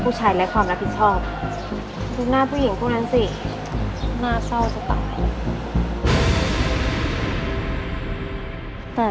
ใช้และความรับผิดชอบดูหน้าผู้หญิงพวกนั้นสิหน้าเศร้าจะตาย